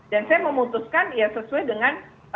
dan saya memutuskan ya sesuai dengan